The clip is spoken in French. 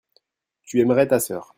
tu aimerais ta sœur.